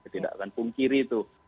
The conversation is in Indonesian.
tidak akan pungkiri itu